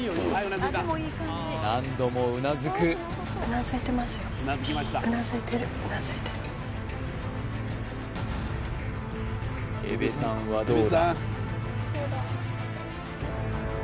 何度もうなずくうなずいてる江部さんはどうだ